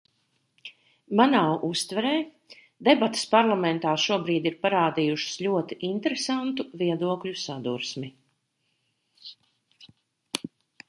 Manā uztverē, debates parlamentā šobrīd ir parādījušas ļoti interesantu viedokļu sadursmi.